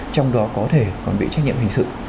trong đó có thể còn bị trách nhiệm hình sự